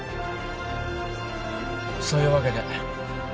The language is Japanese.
そういうわけで